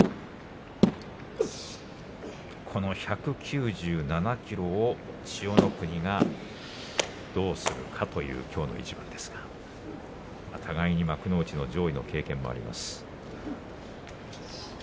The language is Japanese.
この１９７ｋｇを千代の国がどうするかというきょうの一番ですが互いに幕内の上位の経験もあります。